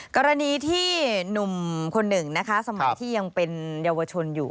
กรณีที่หนุ่มคนหนึ่งนะคะสมัยที่ยังเป็นเยาวชนอยู่